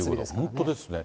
本当ですね。